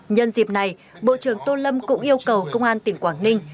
nhân dịp này bộ trưởng tô lâm cũng yêu cầu công an tỉnh quảng ninh